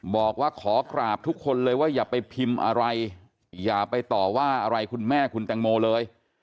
บอกว่าขอกราบทุกคนเลยว่าอย่าไปพิมพ์อะไรอย่าไปต่อว่าอะไรคุณแม่คุณแตงโมเลย